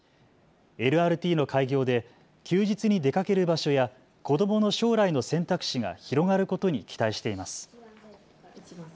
ＬＲＴの開業で休日に出かける場所や子どもの将来の選択肢が広がることに期待しています。